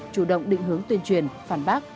chủ động định hướng tuyên truyền phản bác